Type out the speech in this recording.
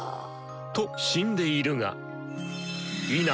と死んでいるが否！